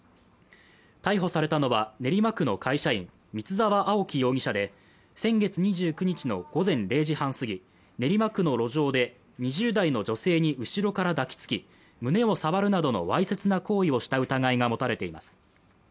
逮捕されたのは練馬区の会社員光澤碧輝容疑者で先月２９日の午前０時半過ぎ練馬区の路上で２０代の女性に後ろから抱きつき胸を触るなどのわいせつな行為をした疑いが持たれています